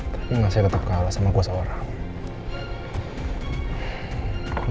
tapi masih tetap kalah sama gue seorang